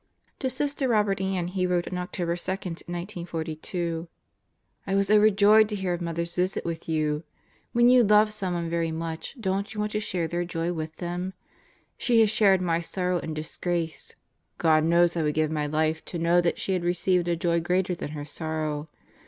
To Sister Robert Ann he wrote on October 2, 1942 : I was overjoyed to hear of Mother's visit with you. ... When you love someone very much don't you want to share your Joy with them? She has shared my sorrow and disgrace. God knows I would give my life to know that she had received a joy greater than her sorrow.